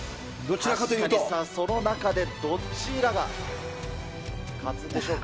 その中でどちらが勝つんでしょうか。